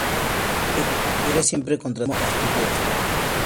Era siempre contratado como artillero.